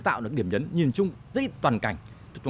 tạo được điểm nhấn nhìn chung toàn cảnh